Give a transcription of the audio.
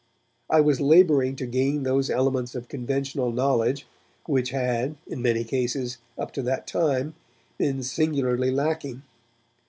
I was labouring to gain those elements of conventional knowledge, which had, in many cases, up to that time been singularly lacking.